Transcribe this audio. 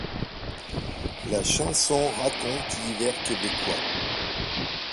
La chanson raconte l'hiver québécois.